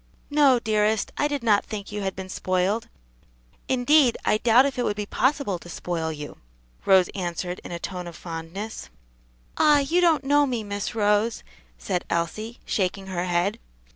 "No, dearest, I did not think you had been spoiled; indeed, I doubt if it would be possible to spoil you," Rose answered in a tone of fondness. "Ah! you don't know me, Miss Rose," said Elsie, shaking her head.